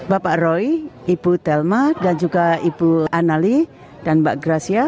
bapak roy ibu telma dan juga ibu anali dan mbak gracia